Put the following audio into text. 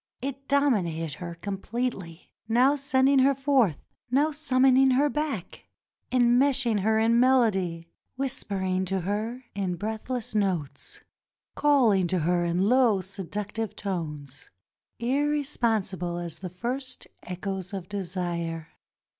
It dominated her completely ; now sending her forth — now summon ing her back — enmeshing her in melody — whispering to her in breathless notes — calhng to her in low seduc tive tones irresponsible as the first echoes of desire.